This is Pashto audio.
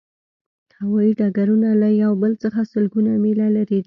هوایی ډګرونه له یو بل څخه سلګونه میله لرې دي